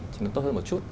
thì nó tốt hơn một chút